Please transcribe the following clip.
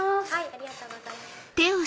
ありがとうございます。